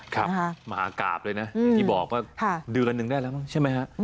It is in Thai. สภาพอากาศเลยนะอย่างที่บอกว่าเดือนหนึ่งได้แล้วใช่ไหมฮะ